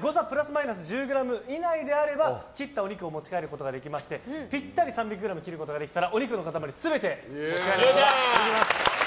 誤差プラスマイナス１０ｇ以内であれば切ったお肉を持ち帰ることができましてピッタリ３００ｇ切ることができましたらお肉の塊全てお持ち帰りいただけます。